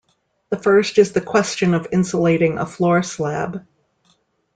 The first is the question of insulating a floor slab.